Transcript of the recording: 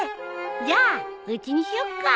じゃあうちにしよっか。